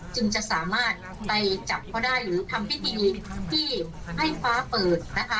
จึงจะสามารถไปจับเขาได้หรือทำพิธีที่ให้ฟ้าเปิดนะคะ